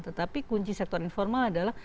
tetapi kunci sektor informal adalah